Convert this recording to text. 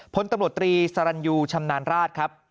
พลตำรวจตรีสรรยูชำนาญราชครับ